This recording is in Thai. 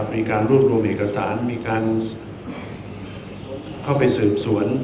มีการรวบรวมเอกสารมีการเข้าไปสืบสวน